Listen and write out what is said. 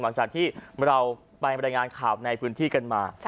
หลังจากที่เราไปบรรยายงานข่าวในพื้นที่กันมา